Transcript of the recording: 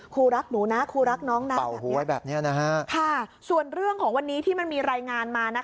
ครูรักหนูนะครูรักน้องนะเป่าหวยแบบนี้นะฮะค่ะส่วนเรื่องของวันนี้ที่มันมีรายงานมานะคะ